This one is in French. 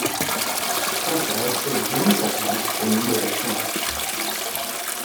Impasse Denis Papin au numéro cinq